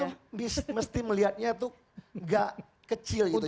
kita tuh mesti melihatnya tuh gak kecil gitu